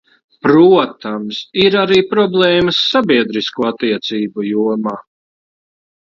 Protams, ir arī problēmas sabiedrisko attiecību jomā.